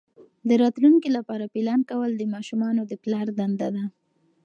د راتلونکي لپاره پلان کول د ماشومانو د پلار دنده ده.